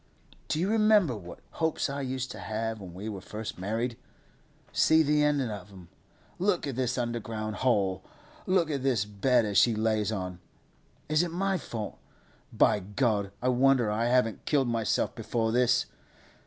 Do you remember what hopes I used to have when we were first married? See the end of 'em—look at this underground hole—look at this bed as she lays on! Is it my fault? By God, I wonder I haven't killed myself before this!